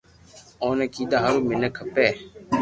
اوني ڪيدا ھارون مينک کپي